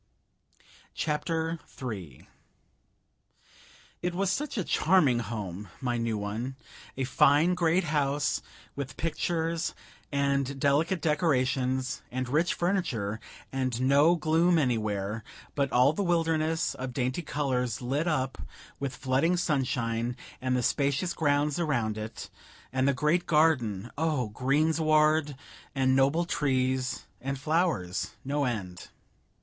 CHAPTER III It was such a charming home! my new one; a fine great house, with pictures, and delicate decorations, and rich furniture, and no gloom anywhere, but all the wilderness of dainty colors lit up with flooding sunshine; and the spacious grounds around it, and the great garden oh, greensward, and noble trees, and flowers, no end!